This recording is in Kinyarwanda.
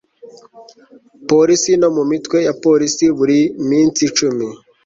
polisi no mu mitwe ya polisi buri minsi cumi